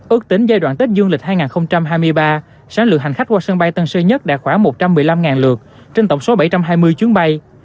ước tính giai đoạn tết dương lịch hai nghìn hai mươi ba sáng lượng hành khách qua sân bay tân sơn nhất đạt khoảng một trăm một mươi năm lượt trên tổng số bảy trăm hai mươi chuyến bay